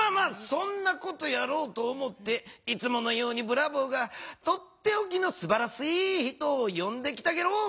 そんなことやろうと思っていつものようにブラボーがとっておきのすばらしい人をよんできたゲロ。